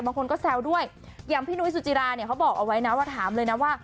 บางคนก็แซวด้วยอย่างพี่นุ้ยสุจิราเนี่ยเขาบอกเอาไว้นะว่าถามเลยนะว่า